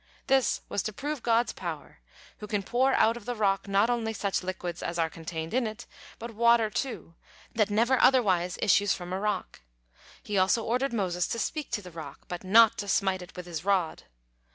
This was to prove God's power, who can pour out of the rock not only such liquids as are contained in it, but water too, that never otherwise issues from a rock. He also ordered Moses to speak to the rock, but not to smite it with his rod.